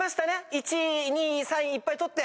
１位２位３位いっぱい取って。